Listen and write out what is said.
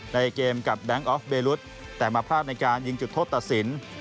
ในเกมกับแบงค์ออฟเบรุษแต่มาพลาดในการยิงจุดโทษตัดสิน